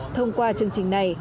thông qua chương trình này